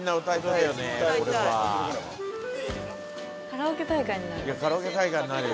カラオケ大会になる。